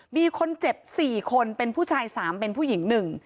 มีคนเจ็บ๔คนเป็นผู้ชายสามเป็นผู้หญิง๑